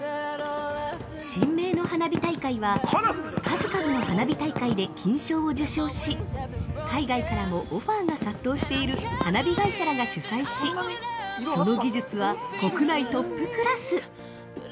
◆神明の花火大会は数々の花火大会で金賞を受賞し海外からもオファーが殺到している花火会社らが主催しその技術は国内トップクラス。